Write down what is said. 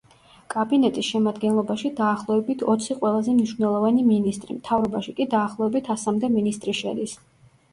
კაბინეტის შემადგენლობაში დაახლოებით ოცი ყველაზე მნიშვნელოვანი მინისტრი, მთავრობაში კი დაახლოებით ასამდე მინისტრი შედის.